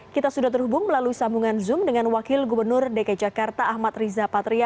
kita sudah terhubung melalui sambungan zoom dengan wakil gubernur dki jakarta ahmad riza patria